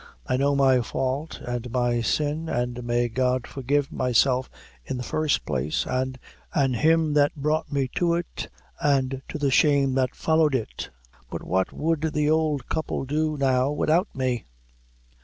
I know my fault, an' my sin, an' may God forgive myself in the first place, an' him that brought me to it, an' to the shame that followed it! But what would the ould couple do now widout me?"